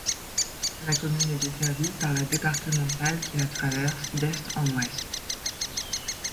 La commune est desservie par la départementale qui la traverse d’est en ouest.